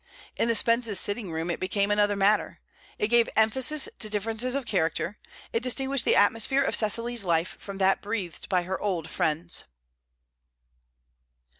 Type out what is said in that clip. In the Spences' sitting room it became another matter; it gave emphasis to differences of character; it distinguished the atmosphere of Cecily's life from that breathed by her old friends.